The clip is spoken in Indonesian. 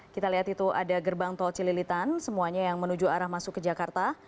kita lihat itu ada gerbang tol cililitan semuanya yang menuju arah masuk ke jakarta